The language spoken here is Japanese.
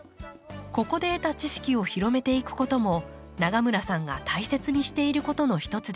ここで得た知識を広めていくことも永村さんが大切にしていることの一つです。